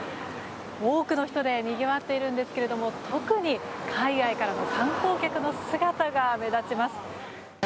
多くの人でにぎわっているんですが特に海外からの観光客の姿が目立ちます。